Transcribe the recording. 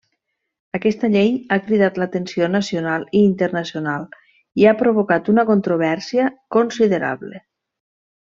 Aquesta llei ha cridat l'atenció nacional i internacional, i ha provocat una controvèrsia considerable.